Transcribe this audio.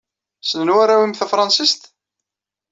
Ssnen warraw-nnem tafṛensist?